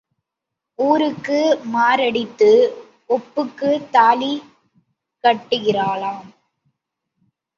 ஊருக்கு மாரடித்து ஒப்புக்குத் தாலி கட்டுகிறாளாம்.